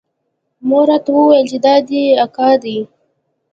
مور راته وويل چې دا دې اکا دى.